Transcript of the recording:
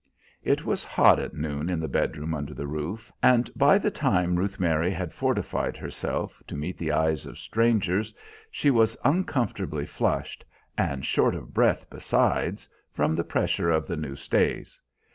It was hot at noon in the bedroom under the roof, and by the time Ruth Mary had fortified herself to meet the eyes of strangers she was uncomfortably flushed, and short of breath besides from the pressure of the new stays.